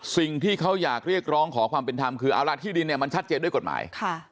สิ่งที่เขาอยากเรียกร้องขอความเป็นธรรมคือเอาล่ะที่ดินเนี่ยมันชัดเจนด้วยกฎหมาย